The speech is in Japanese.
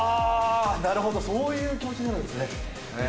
なるほどそういう気持ちになるんですね。